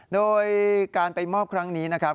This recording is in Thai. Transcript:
โดยการไปมอบครั้งนี้นะครับ